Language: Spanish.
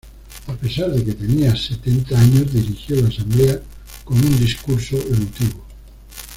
A pesar de que tenía setenta años, dirigió la asamblea con un discurso emotivo.